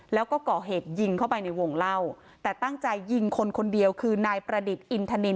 แล้วก็ก่อเหตุยิงเข้าไปในวงเล่าแต่ตั้งใจยิงคนคนเดียวคือนายประดิษฐ์อินทนิน